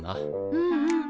うんうん。